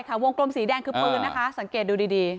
วงกลมสีแดงคือปืนนะคะสังเกตดูดี